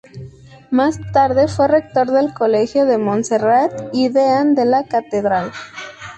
Más tarde fue rector del Colegio de Monserrat y deán de la catedral.